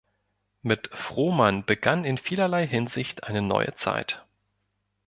Mit Frohman begann in vielerlei Hinsicht eine neue Zeit.